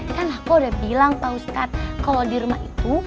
kan aku udah bilang pak ustadz kalau di rumah itu